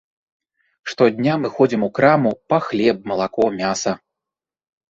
Штодня мы ходзім у краму па хлеб, малако, мяса.